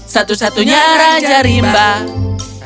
satu satunya raja rimba